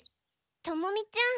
トモミちゃん。